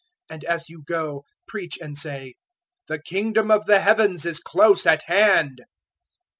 010:007 And as you go, preach and say, `The Kingdom of the Heavens is close at hand.'